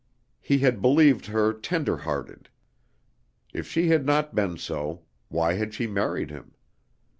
He had believed her tender hearted. If she had not been so, why had she married him?